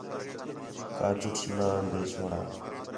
کا چُٹ ناں دے چھوڑا